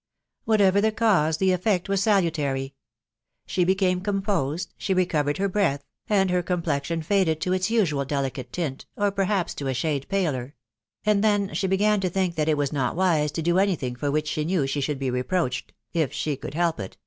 Whatever the cause, the effect was salutary. She became composed, she recovered her breath, and her complexion faded to its usual delicate tint, or perhaps to a shade paler ; and then she began to think that it was not wise to do anything for which she knew she should be reproached .... if she could help it